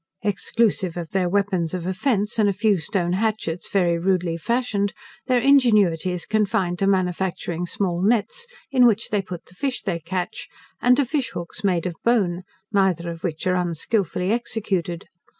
Exclusive of their weapons of offence, and a few stone hatchets very rudely fashioned, their ingenuity is confined to manufacturing small nets, in which they put the fish they catch, and to fish hooks made of bone, neither of which are unskilfully executed.